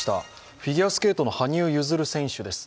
フィギュアスケートの羽生結弦選手です。